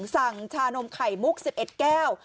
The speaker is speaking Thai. ชานมไข่มุก๑๑แก้ว